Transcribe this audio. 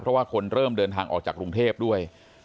เพราะว่าคนเริ่มเดินทางออกจากกรุงเทพด้วย